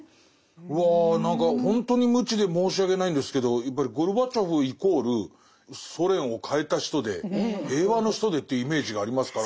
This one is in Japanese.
うわ何かほんとに無知で申し訳ないんですけどやっぱりゴルバチョフイコールソ連を変えた人で平和の人でというイメージがありますから。